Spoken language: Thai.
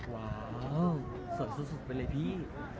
ว้าวสดสุดไปเลยพี่